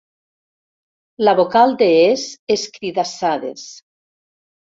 La vocal de es escridassades.